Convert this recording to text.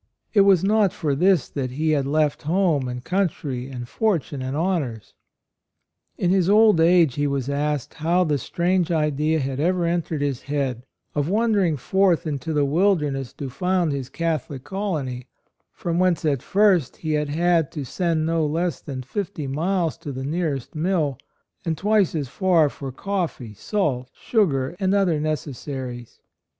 It was not for this that he had left home and country and fortune and honors. In his old age he was asked how the strange idea had ever entered his head of wandering forth into the wilderness to found his Catholic colony, from whence at first he had had to 80 A ROYAL SON send no less than fifty miles to the nearest mill, and twice as far for coffee, salt, sugar, and other necessaries.